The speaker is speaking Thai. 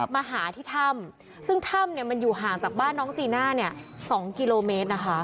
มาหาที่ถ้ำซึ่งถ้ำเนี่ยมันอยู่ห่างจากบ้านน้องจีน่าเนี่ย๒กิโลเมตรนะคะ